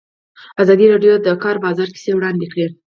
ازادي راډیو د د کار بازار کیسې وړاندې کړي.